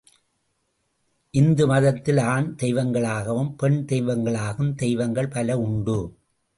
இந்து மதத்தில் ஆண், தெய்வங்களாகவும், பெண் தெய்வங்களாகவும் தெய்வங்கள் பல உண்டு.